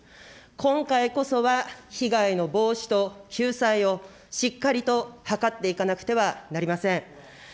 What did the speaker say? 今回こそは被害の防止と救済をしっかりと図っていかなくてはなりません。